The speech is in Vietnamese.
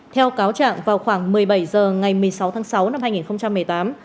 theo cáo trạng vào khoảng một mươi bảy h ngày một mươi sáu tháng sáu năm hai nghìn một mươi tám